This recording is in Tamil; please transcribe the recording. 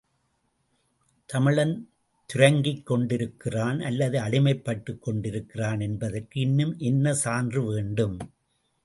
தமிழன் துரங்கிக் கொண்டிருக்கிறான் அல்லது அடிமைப்பட்டுக் கிடக்கிறான் என்பதற்கு இன்னும் என்ன சான்று வேண்டும்?